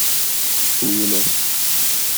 Oui et non.